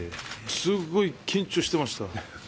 すごい緊張してました。